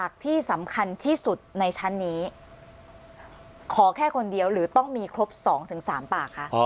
ขอแค่คนเดียวหรือต้องมีครบ๒๓ปากคะ